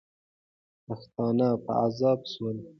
پښتانه په عذاب سول.